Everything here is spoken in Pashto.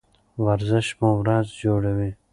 ورزش مو ورځ جوړوي.